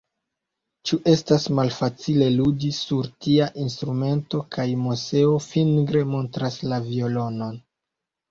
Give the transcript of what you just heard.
Ĉu estas malfacile ludi sur tia instrumento? kaj Moseo fingre montras la violonon.